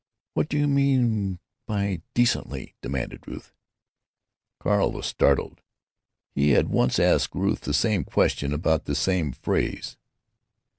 "What do you mean by 'decently'?" Ruth demanded. Carl was startled. He had once asked Ruth the same question about the same phrase.